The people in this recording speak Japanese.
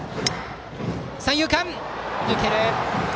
三遊間、抜ける。